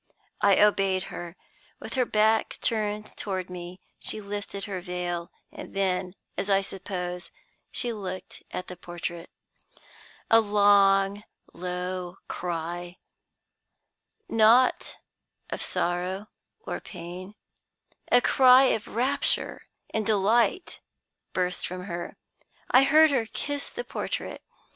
I obeyed her. With her back turned toward me she lifted her veil; and then (as I suppose) she looked at the portrait. A long, low cry not of sorrow or pain: a cry of rapture and delight burst from her. I heard her kiss the portrait.